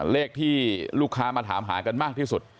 เลขที่ลูกค้ามาถามหากันมากที่สุด